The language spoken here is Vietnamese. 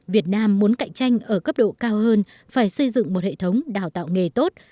việt nam muốn cạnh tranh ở cấp độ cao hơn phải xây dựng một hệ thống đào tạo nghề tốt